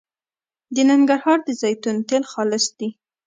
د ننګرهار د زیتون تېل خالص دي